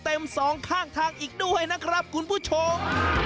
เต็มทางอีกด้วยนะครับคุณผู้ชม